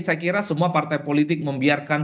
saya kira semua partai politik membiarkan